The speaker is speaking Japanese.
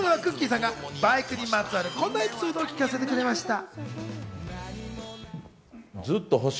さんがバイクにまつわるこんなエピソードを聞かせてくれました。